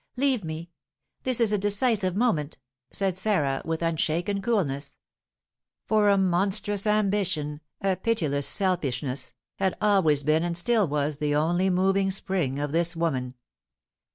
"Leave me! This is the decisive moment!" said Sarah, with unshaken coolness; for a monstrous ambition, a pitiless selfishness, had always been and still was the only moving spring of this woman.